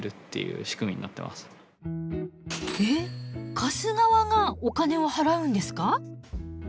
貸す側がお金を払うんですか？